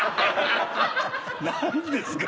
何ですか？